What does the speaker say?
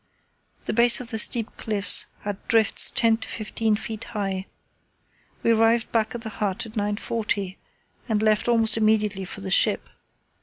The base of the steep cliffs had drifts ten to fifteen feet high. We arrived back at the hut at 9.40, and left almost immediately for the ship.